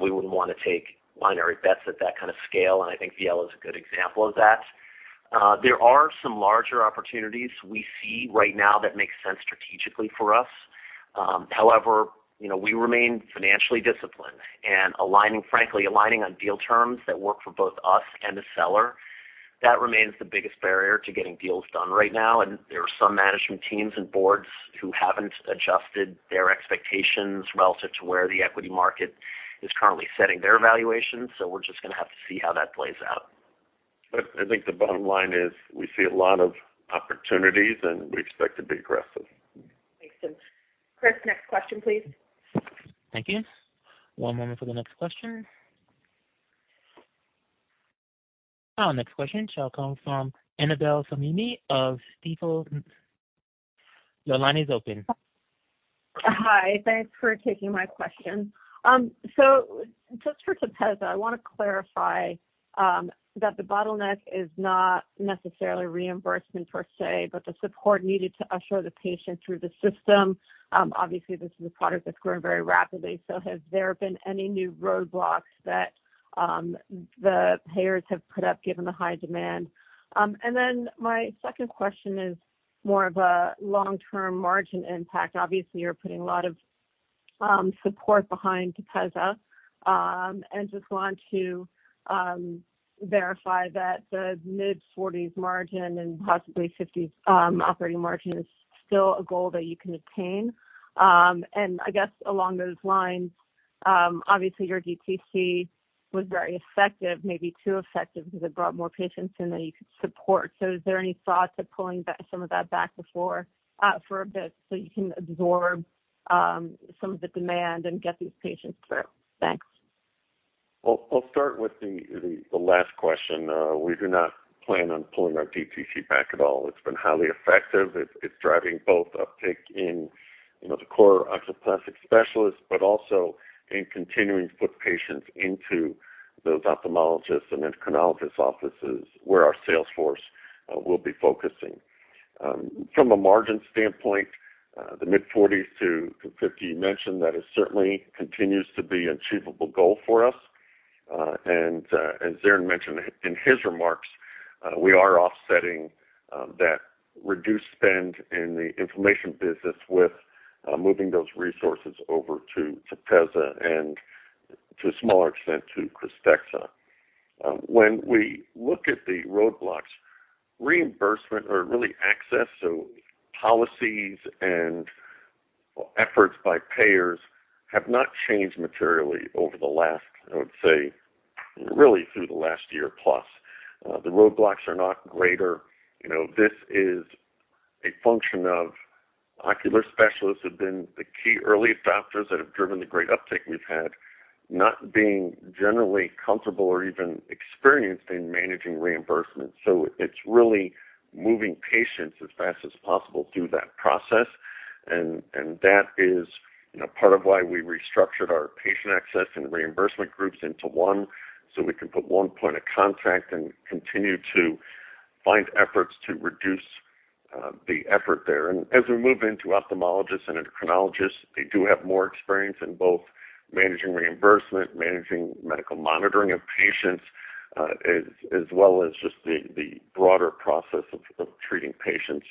We wouldn't wanna take binary bets at that kind of scale, and I think Viela is a good example of that. There are some larger opportunities we see right now that make sense strategically for us. However, you know, we remain financially disciplined and, frankly, aligning on deal terms that work for both us and the seller. That remains the biggest barrier to getting deals done right now. There are some management teams and boards who haven't adjusted their expectations relative to where the equity market is currently setting their valuations. We're just gonna have to see how that plays out. I think the bottom line is we see a lot of opportunities, and we expect to be aggressive. Makes sense. Chris, next question, please. Thank you. One moment for the next question. Our next question shall come from Annabel Samimy of Stifel. Your line is open. Hi. Thanks for taking my question. So just for TEPEZZA, I want to clarify that the bottleneck is not necessarily reimbursement per se, but the support needed to usher the patient through the system. Obviously, this is a product that's growing very rapidly. So has there been any new roadblocks that the payers have put up given the high demand? And then my second question is more of a long-term margin impact. Obviously, you're putting a lot of support behind TEPEZZA, and just want to verify that the mid-40s% margin and possibly 50s% operating margin is still a goal that you can attain. And I guess along those lines, obviously your DTC was very effective, maybe too effective because it brought more patients than you could support. Is there any thought to pulling back some of that before, for a bit so you can absorb some of the demand and get these patients through? Thanks. Well, I'll start with the last question. We do not plan on pulling our DTC back at all. It's been highly effective. It's driving both uptake in, you know, the core oculoplastic specialists, but also in continuing to put patients into those ophthalmologists and endocrinologists offices where our sales force will be focusing. From a margin standpoint, the mid-40s-50% you mentioned that it certainly continues to be an achievable goal for us. As Aaron mentioned in his remarks, we are offsetting that reduced spend in the inflammation business with moving those resources over to TEPEZZA and to a smaller extent to KRYSTEXXA. When we look at the roadblocks, reimbursement or really access, so policies and efforts by payers have not changed materially over the last, I would say, really through the last year plus. The roadblocks are not greater. You know, this is a function of ocular specialists have been the key early adopters that have driven the great uptake we've had, not being generally comfortable or even experienced in managing reimbursement. It's really moving patients as fast as possible through that process. That is, you know, part of why we restructured our patient access and reimbursement groups into one, so we can put one point of contact and continue to refine efforts to reduce the effort there. As we move into ophthalmologists and endocrinologists, they do have more experience in both managing reimbursement, managing medical monitoring of patients, as well as just the broader process of treating patients.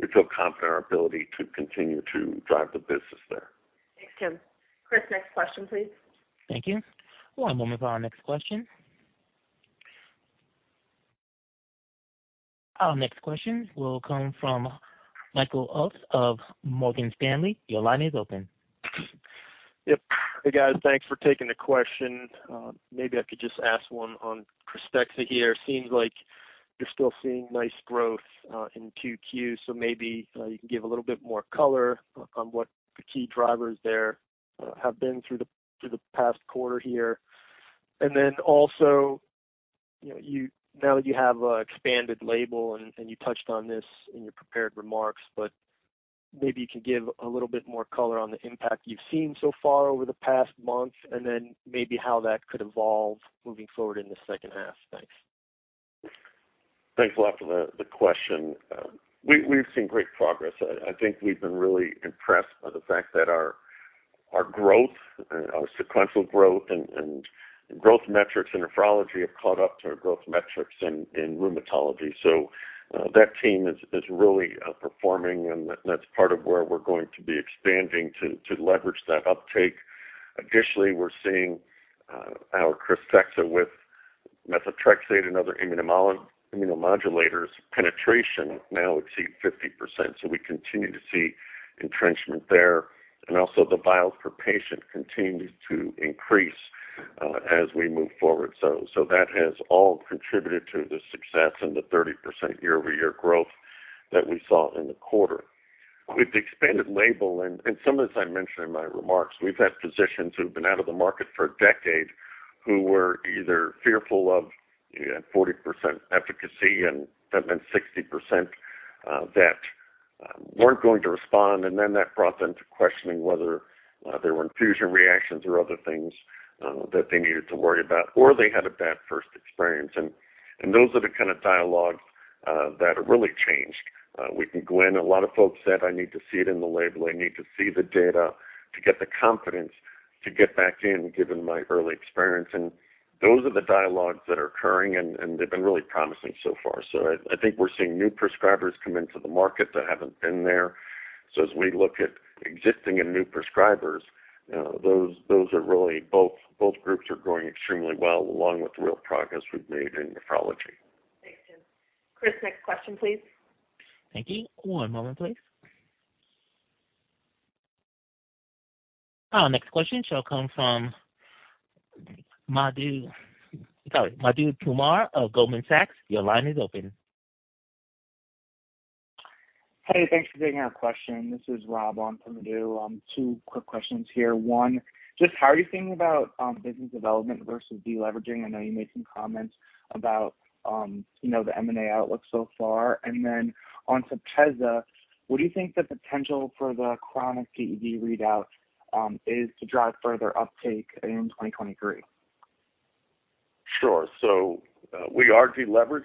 We feel confident in our ability to continue to drive the business there. Thanks, Tim. Chris, next question, please. Thank you. One moment for our next question. Our next question will come from Michael Ulz of Morgan Stanley. Your line is open. Yep. Hey, guys. Thanks for taking the question. Maybe I could just ask one on KRYSTEXXA here. Seems like you're still seeing nice growth in Q2, so maybe you can give a little bit more color on what the key drivers there have been through the past quarter here. Now that you have expanded label, and you touched on this in your prepared remarks, but maybe you can give a little bit more color on the impact you've seen so far over the past month, and then maybe how that could evolve moving forward in the second half. Thanks. Thanks a lot for the question. We've seen great progress. I think we've been really impressed by the fact that our sequential growth and growth metrics in nephrology have caught up to our growth metrics in rheumatology. That team is really performing, and that's part of where we're going to be expanding to leverage that uptake. Additionally, we're seeing our KRYSTEXXA with methotrexate and other immunomodulators penetration now exceed 50%. We continue to see entrenchment there. Also the vials per patient continue to increase as we move forward. That has all contributed to the success and the 30% year-over-year growth that we saw in the quarter. With the expanded label, some of this I mentioned in my remarks, we've had physicians who've been out of the market for a decade who were either fearful of 40% efficacy and that meant 60% that weren't going to respond. That brought them to questioning whether there were infusion reactions or other things that they needed to worry about, or they had a bad first experience. Those are the kind of dialogues that have really changed. We can go in. A lot of folks said, "I need to see it in the label. I need to see the data to get the confidence to get back in, given my early experience." Those are the dialogues that are occurring, they've been really promising so far. I think we're seeing new prescribers come into the market that haven't been there. As we look at existing and new prescribers, those are really both groups are growing extremely well, along with the real progress we've made in nephrology. Thanks, Tim. Chris, next question, please. Thank you. One moment, please. Our next question shall come from Madhu, sorry, Madhu Kumar of Goldman Sachs. Your line is open. Hey, thanks for taking our question. This is Rob on for Madhu. Two quick questions here. One, just how are you thinking about business development versus deleveraging? I know you made some comments about, you know, the M&A outlook so far. On TEPEZZA, what do you think the potential for the chronic TED readout is to drive further uptake in 2023? Sure. We are deleveraged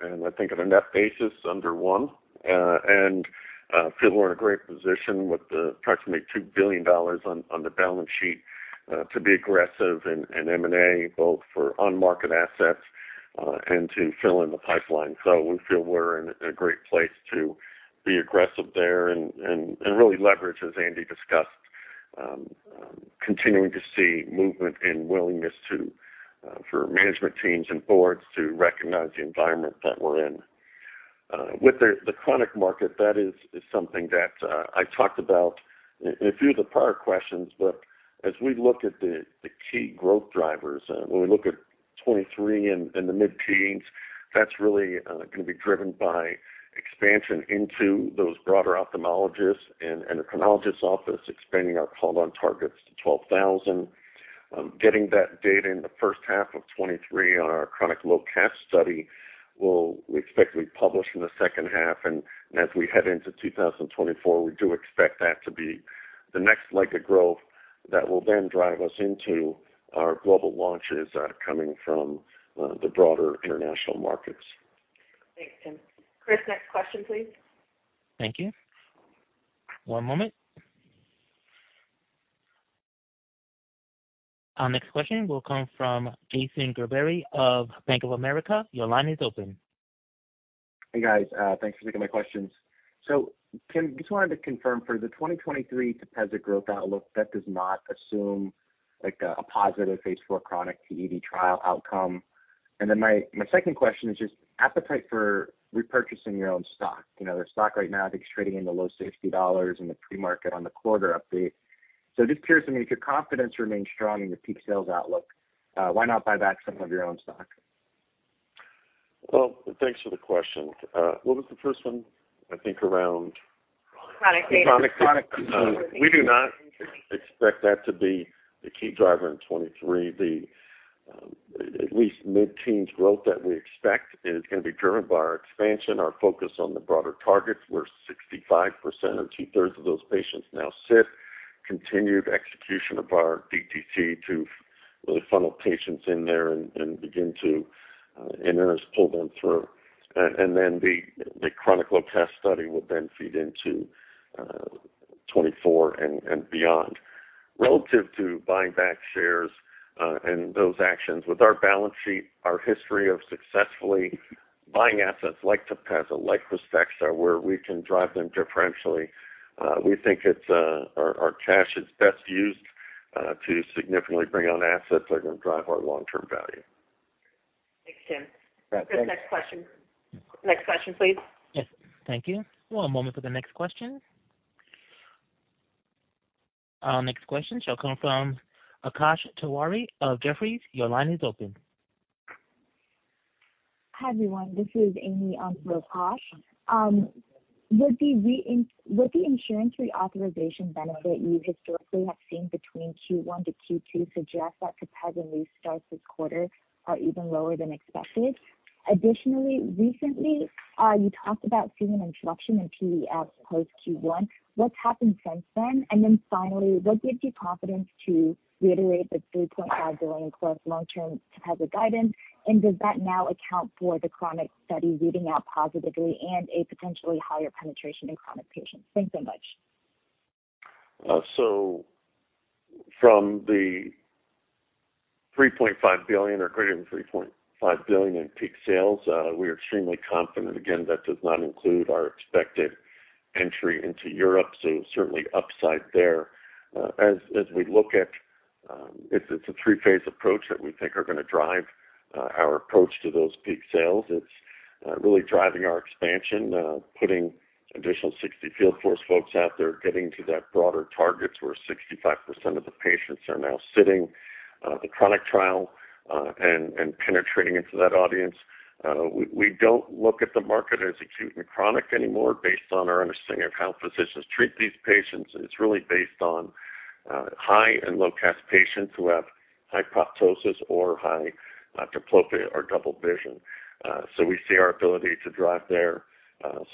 and I think on a net basis under one, and feel we're in a great position with approximately $2 billion on the balance sheet, to be aggressive in M&A, both for on-market assets, and to fill in the pipeline. We feel we're in a great place to be aggressive there and really leverage, as Andy discussed, continuing to see movement and willingness to, for management teams and boards to recognize the environment that we're in. With the chronic market, that is something that I talked about in a few of the prior questions. As we look at the key growth drivers, when we look at 2023 and the mid-teens%, that's really gonna be driven by expansion into those broader ophthalmologists and endocrinologists offices, expanding our call on targets to 12,000. Getting that data in the first half of 2023 on our chronic low-CAS study will be published in the second half. As we head into 2024, we do expect that to be the next leg of growth that will then drive us into our global launches, coming from the broader international markets. Thanks, Tim. Chris, next question, please. Thank you. One moment. Our next question will come from Jason Gerberry of Bank of America. Your line is open. Hey, guys. Thanks for taking my questions. Tim, just wanted to confirm for the 2023 TEPEZZA growth outlook, that does not assume like a positive phase IV chronic TED trial outcome. My second question is just appetite for repurchasing your own stock. You know, the stock right now I think is trading in the low $60s in the pre-market on the quarter update. It just appears to me if your confidence remains strong in the peak sales outlook, why not buy back some of your own stock? Well, thanks for the question. What was the first one? I think around. Chronic data. Chronic. We do not expect that to be the key driver in 2023. The at least mid-teens growth that we expect is gonna be driven by our expansion, our focus on the broader targets, where 65% or 2/3 of those patients now sit, continued execution of our DTC to really funnel patients in there and then pull them through. The chronic low-CAS study will then feed into 2024 and beyond. Relative to buying back shares and those actions, with our balance sheet, our history of successfully buying assets like TEPEZZA, like KRYSTEXXA, are where we can drive them differentially. We think it's our cash is best used to significantly bring on assets that are gonna drive our long-term value. Thanks, Tim. Next question. Next question, please. Yes. Thank you. One moment for the next question. Our next question shall come from Akash Tewari of Jefferies. Your line is open. Hi, everyone. This is Amy on for Akash. Would the insurance reauthorization benefit you historically have seen between Q1 to Q2 suggest that TEPEZZA new starts this quarter are even lower than expected? Additionally, recently, you talked about seeing an interruption in Rx post Q1. What's happened since then? Finally, what gives you confidence to reiterate the $3.5 billion+ long-term TEPEZZA guidance? Does that now account for the chronic study reading out positively and a potentially higher penetration in chronic patients? Thanks so much. From the $3.5 billion or greater than $3.5 billion in peak sales, we are extremely confident. Again, that does not include our expected entry into Europe, so certainly upside there. It's a three-phase approach that we think are gonna drive our approach to those peak sales. It's really driving our expansion, putting additional 60 field force folks out there, getting to that broader targets where 65% of the patients are now sitting, the chronic trial, and penetrating into that audience. We don't look at the market as acute and chronic anymore based on our understanding of how physicians treat these patients. It's really based on high and low CAS patients who have proptosis or high diplopia or double vision. We see our ability to drive there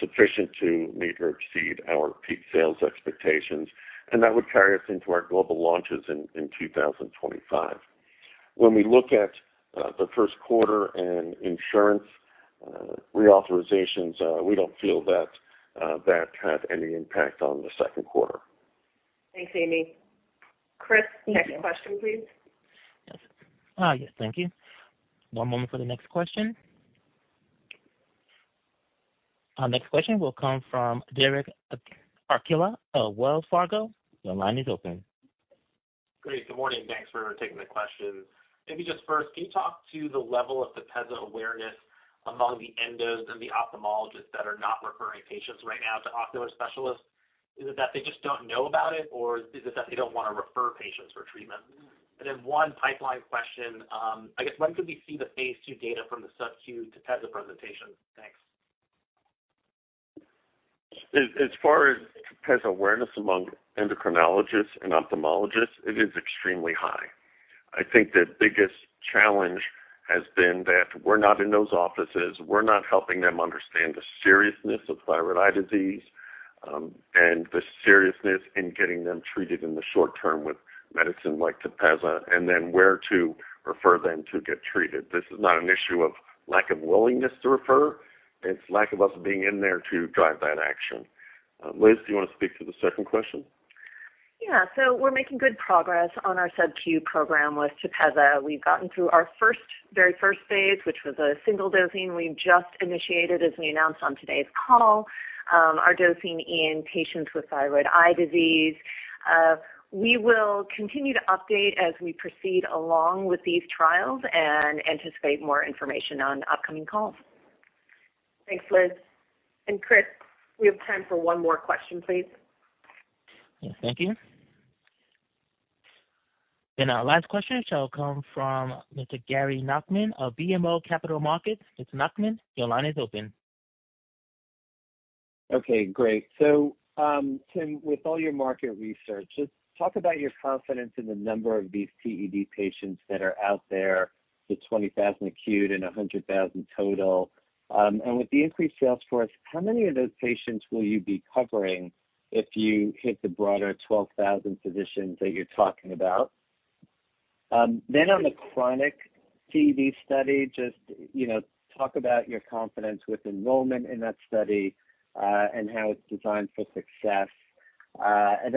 sufficient to meet or exceed our peak sales expectations, and that would carry us into our global launches in 2025. When we look at the first quarter and insurance reauthorizations, we don't feel that had any impact on the second quarter. Thanks, Amy. Chris, next question, please. Yes. Yes. Thank you. One moment for the next question. Our next question will come from Derek Archila of Wells Fargo. Your line is open. Great, good morning. Thanks for taking the questions. Maybe just first, can you talk to the level of TEPEZZA awareness among the endos and the ophthalmologists that are not referring patients right now to ocular specialists? Is it that they just don't know about it, or is it that they don't wanna refer patients for treatment? One pipeline question. I guess when could we see the phase two data from the subcu TEPEZZA presentation? Thanks. As far as TEPEZZA awareness among endocrinologists and ophthalmologists, it is extremely high. I think the biggest challenge has been that we're not in those offices. We're not helping them understand the seriousness of thyroid eye disease, and the seriousness in getting them treated in the short term with medicine like TEPEZZA, and then where to refer them to get treated. This is not an issue of lack of willingness to refer. It's lack of us being in there to drive that action. Liz, do you wanna speak to the second question? Yeah. We're making good progress on our subcu program with TEPEZZA. We've gotten through our first, very first phase, which was a single dosing. We've just initiated, as we announced on today's call, our dosing in patients with Thyroid Eye Disease. We will continue to update as we proceed along with these trials and anticipate more information on upcoming calls. Thanks, Liz. Chris, we have time for one more question, please. Yes, thank you. Our last question shall come from Mr. Gary Nachman of BMO Capital Markets. Mr. Nachman, your line is open. Okay, great. Tim, with all your market research, just talk about your confidence in the number of these TED patients that are out there, the 20,000 acute and 100,000 total. With the increased sales force, how many of those patients will you be covering if you hit the broader 12,000 physicians that you're talking about? On the chronic TED study, just, you know, talk about your confidence with enrollment in that study, and how it's designed for success.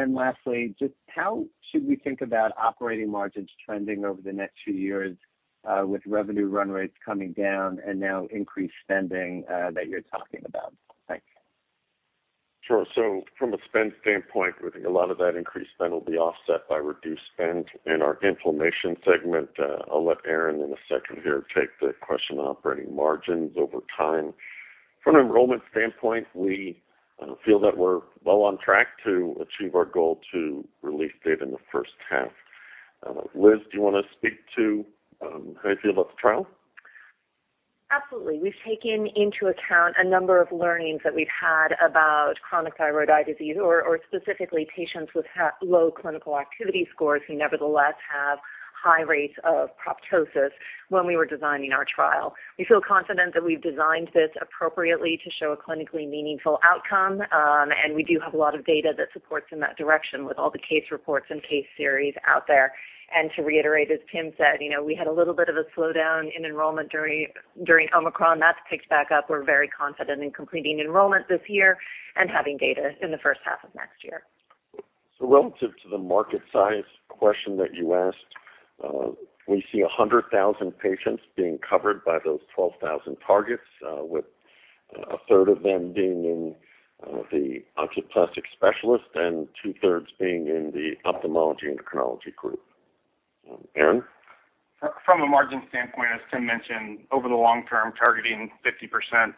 Lastly, just how should we think about operating margins trending over the next few years, with revenue run rates coming down and now increased spending, that you're talking about? Thanks. Sure. From a spend standpoint, we think a lot of that increased spend will be offset by reduced spend in our inflammation segment. I'll let Aaron in a second here take the question on operating margins over time. From an enrollment standpoint, we feel that we're well on track to achieve our goal to release data in the first half. Liz, do you wanna speak to how you feel about the trial? Absolutely. We've taken into account a number of learnings that we've had about chronic Thyroid Eye Disease or specifically patients with low clinical activity scores who nevertheless have high rates of proptosis when we were designing our trial. We feel confident that we've designed this appropriately to show a clinically meaningful outcome, and we do have a lot of data that supports in that direction with all the case reports and case series out there. To reiterate, as Tim said, you know, we had a little bit of a slowdown in enrollment during Omicron. That's picked back up. We're very confident in completing enrollment this year and having data in the first half of next year. Relative to the market size question that you asked, we see 100,000 patients being covered by those 12,000 targets, with a third of them being in the oculoplastic specialist and two-thirds being in the ophthalmology endocrinology group. Aaron. From a margin standpoint, as Tim mentioned, over the long term, targeting 50%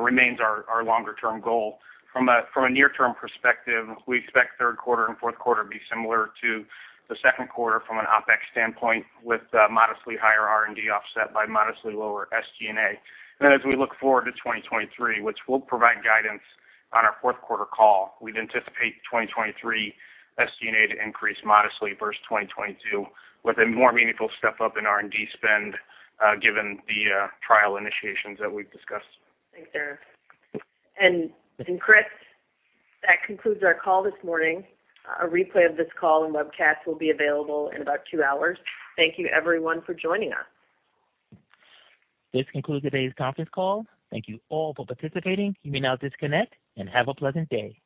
remains our longer term goal. From a near term perspective, we expect third quarter and fourth quarter to be similar to the second quarter from an OpEx standpoint, with modestly higher R&D offset by modestly lower SG&A. As we look forward to 2023, which we'll provide guidance on our fourth quarter call, we'd anticipate 2023 SG&A to increase modestly versus 2022 with a more meaningful step up in R&D spend, given the trial initiations that we've discussed. Thanks, Aaron. Chris, that concludes our call this morning. A replay of this call and webcast will be available in about two hours. Thank you everyone for joining us. This concludes today's conference call. Thank you all for participating. You may now disconnect and have a pleasant day.